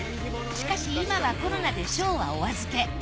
しかし今はコロナでショーはお預け。